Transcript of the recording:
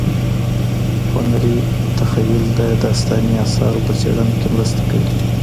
هنري تخیل د داستاني اثارو په څېړنه کي مرسته کوي.